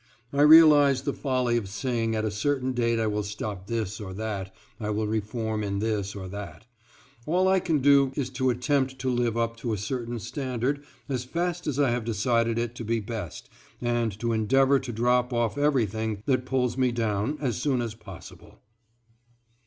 I realize the folly of saying at a certain date I will stop this or that I will reform in this or that. All I can do is to attempt to live up to a certain standard as fast as I have decided it to be best and to endeavor to drop off everything that pulls me down as soon as possible.